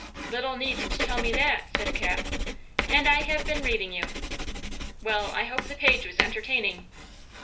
"Little need to tell me that," said Cap. "And I have been reading you." "Well, I hope the page was entertaining."